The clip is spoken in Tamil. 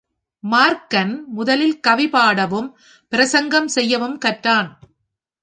மார்க்கன் முதலில் கவி பாடவும், பிரசங்கம் செய்யவும் கற்றான்.